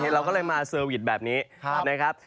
เราก็เลยมาเซอร์วิสแบบนี้นะครับ